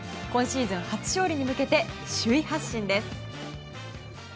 今シーズン初勝利に向けて首位発進です。